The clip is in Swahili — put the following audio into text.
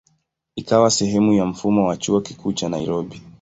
Ikawa sehemu ya mfumo wa Chuo Kikuu cha Nairobi.